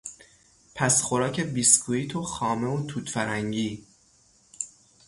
پسخوراک بیسکویت و خامه و توت فرنگی